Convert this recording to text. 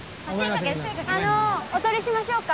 あのお撮りしましょうか？